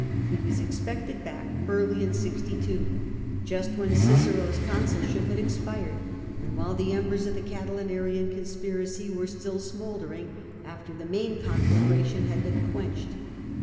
He was ex* pected back early in 62, just when Cicero's consulship had expired, and while the embers of the Catilinarian conspiracy were still smouldering, after the main conflag ration had been quenched.